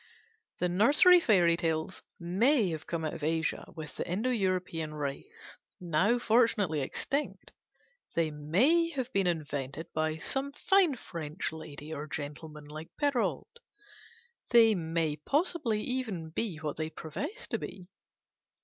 The nursery fairy tales may have come out of Asia with the Indo European race, now fortunately extinct; they may have been invented by some fine French lady or gentleman like Perrault: they may possibly even be what they profess to be.